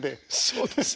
そうです。